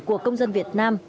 của công dân việt nam